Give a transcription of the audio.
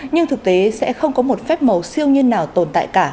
nhưng thực tế sẽ không có một phép màu siêu nhiên nào tồn tại cả